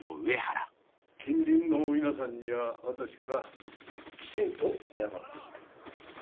近隣の皆さんには私からきちんと謝っておく。